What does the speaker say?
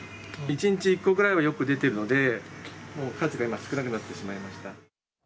１日１個ぐらいはよく出てるので、もう数が今、少なくなってしまいました。